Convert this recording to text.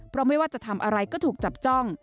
เพราะไม่ว่าจะทำอะไรก็ถูกจับจ้อง